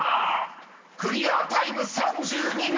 ［クリアタイム３２秒８７！］